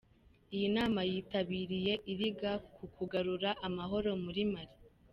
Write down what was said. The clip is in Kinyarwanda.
Iyi nama yitabiriye iriga ku kugarura amahoro muri Mali.